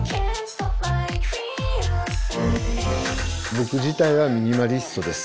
僕自体はミニマリストです。